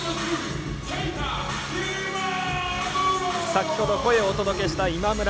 さきほど声をお届けした今村。